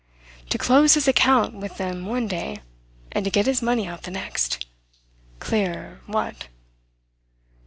To close his account with them one day, and to get his money out the next! Clear, what?"